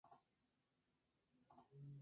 La banda comenzó a tocar en bares locales.